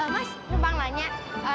mas kebang nanya